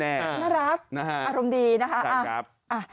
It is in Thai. น่ารักอารมณ์ดีนะครับ